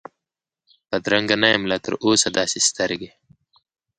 بدرنګه نه یم لا تراوسه داسي سترګې،